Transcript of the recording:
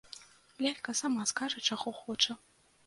Лялька сама скажа, чаго хоча.